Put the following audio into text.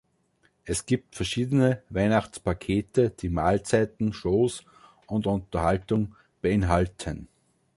Es gibt verschiedene Weihnachtspakete, die Mahlzeiten, Shows und Unterhaltung beinhalten.